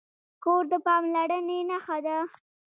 کور د پاملرنې نښه ده.